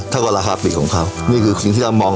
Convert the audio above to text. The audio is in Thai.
ถ้าก็ราคาปีกของเขาอ๋อนี่คือสิ่งที่เรามอง